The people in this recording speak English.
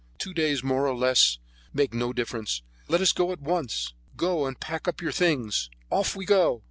Two days, more or less, make no difference. Let us go at once; go and pack up your things. Off we go!"